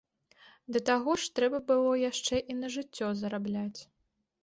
Да таго ж трэба было яшчэ і на жыццё зарабляць.